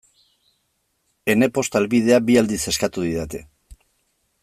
Ene posta helbidea bi aldiz eskatu didate.